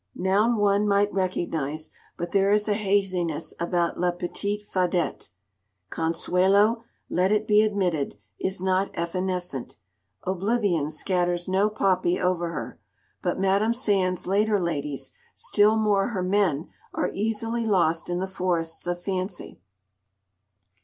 Noun one might recognise, but there is a haziness about La Petite Fadette. Consuelo, let it be admitted, is not evanescent, oblivion scatters no poppy over her; but Madame Sand's later ladies, still more her men, are easily lost in the forests of fancy.